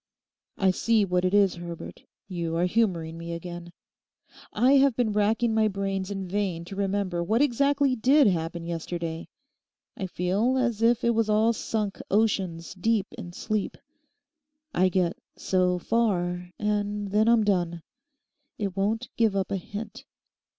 'I see what it is, Herbert—you are humouring me again. I have been wracking my brains in vain to remember what exactly did happen yesterday. I feel as if it was all sunk oceans deep in sleep. I get so far—and then I'm done. It won't give up a hint.